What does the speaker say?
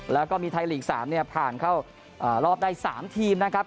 แล้วก็มีไทยลีก๓เนี่ยผ่านเข้ารอบได้๓ทีมนะครับ